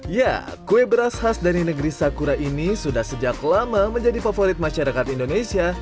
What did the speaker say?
ya kue beras khas dari negeri sakura ini sudah sejak lama menjadi favorit masyarakat indonesia